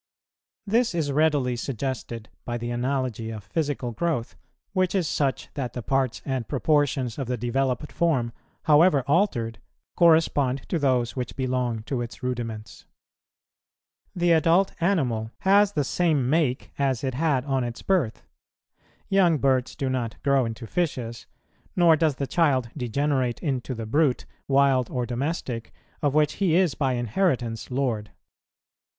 This is readily suggested by the analogy of physical growth, which is such that the parts and proportions of the developed form, however altered, correspond to those which belong to its rudiments. The adult animal has the same make, as it had on its birth; young birds do not grow into fishes, nor does the child degenerate into the brute, wild or domestic, of which he is by inheritance lord.